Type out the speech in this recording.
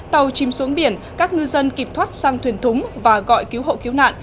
tàu chìm xuống biển các ngư dân kịp thoát sang thuyền thúng và gọi cứu hộ cứu nạn